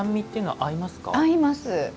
合います。